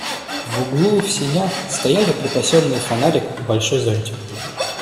В углу в сенях стояли припасенные фонарик и большой зонтик.